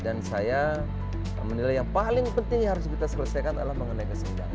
dan saya menilai yang paling penting yang harus kita selesaikan adalah mengenai kesenjangan